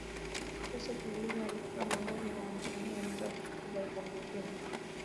Joseph Mbilinyi alikuwa miongoni mwa wasanii wa mwanzo kurekodi albamu nzima